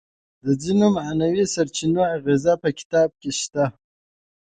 د ختیځو معنوي سرچینو اغیز په کتاب کې شته.